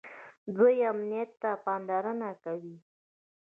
دوی امنیت ته پاملرنه کوي.